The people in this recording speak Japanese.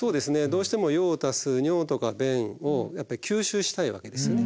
どうしても用を足す尿とか便を吸収したいわけですね。